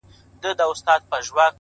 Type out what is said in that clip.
د دنیا حُسن له څلورو دېوالو نه وزي”